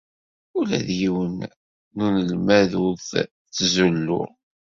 Ula d yiwen n unelmad ur t-ttzuluɣ.